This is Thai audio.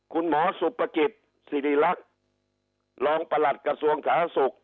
คุณหมอสุปกิจสิริรักษ์รองประหลัดกระทรวงสาธารณสุข